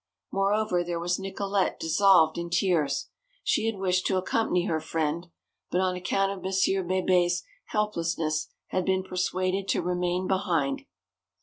Moreover, there was Nicolete dissolved in tears! She had wished to accompany her friend, but on account of Monsieur Bebé's helplessness had been persuaded to remain behind.